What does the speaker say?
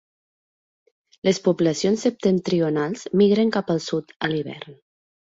Les poblacions septentrionals migren cap al sud a l'hivern.